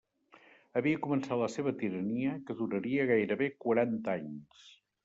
Havia començat la seva tirania, que duraria gairebé quaranta anys.